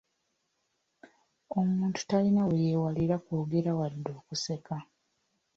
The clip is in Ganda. Omuntu talina we yeewalira kwogera wadde okuseka.